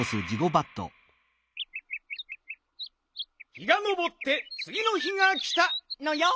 日がのぼってつぎの日がきたのよん。